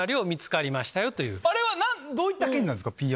あれはどういった菌なんですか？